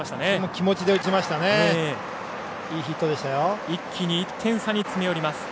気持ちで打ちましたね。